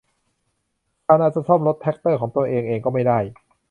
ชาวนาจะซ่อมรถแทรกเตอร์ของตัวเองเองก็ไม่ได้